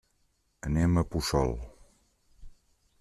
Anem a Puçol.